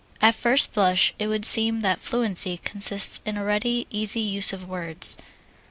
At first blush it would seem that fluency consists in a ready, easy use of words.